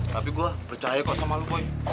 tapi gua percaya kok sama lu boy